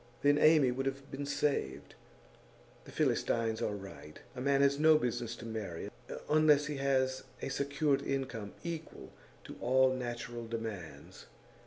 Then Amy would have been saved. The Philistines are right: a man has no business to marry unless he has a secured income equal to all natural demands.